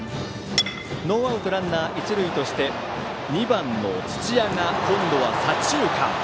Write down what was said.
ノーアウトランナー、一塁として２番の土屋が今度は左中間。